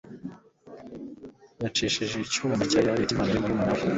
yayicishije icyuma yakiriye nk'impano ya murumuna we. (alexmarcelo